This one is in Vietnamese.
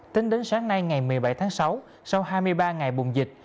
tính đến sáng nay ngày một mươi bảy tháng sáu sau hai mươi ba ngày bùng dịch